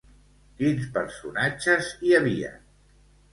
Quins personatges hi havia?